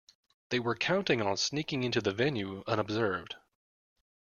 They were counting on sneaking in to the venue unobserved